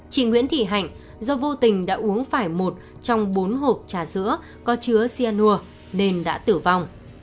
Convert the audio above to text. chị nguyễn thị hạnh do vô tình đã uống phải một trong bốn hộp trà sữa có chứa cyanur nên đã tử vong